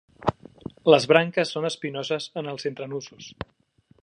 Les branques són espinoses en els entrenusos.